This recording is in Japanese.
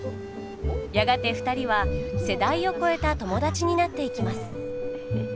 やがて２人は世代を超えた友達になっていきます。